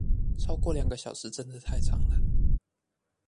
超過兩個小時真的太長了